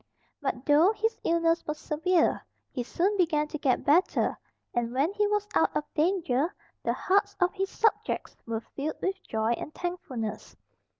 But though his illness was severe he soon began to get better, and when he was out of danger the hearts of his subjects were filled with joy and thankfulness.